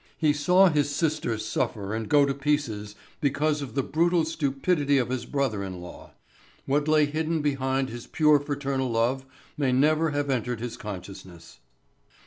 He saw his sister suffer and go to pieces because of the brutal stupidity of his brother in law. What lay hidden behind his pure fraternal love may never have entered his consciousness.